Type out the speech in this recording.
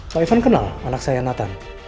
pak ivan kenal anak saya nathan